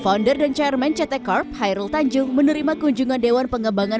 founder dan chairman ct corp hairul tanjung menerima kunjungan dewan pengembangan